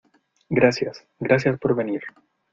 gracias. gracias por venir .